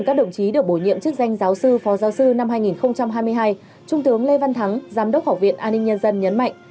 trong đợt xét phong học hàm năm hai nghìn hai mươi hai trung tướng lê văn thắng giám đốc học viện an ninh nhân dân nhấn mạnh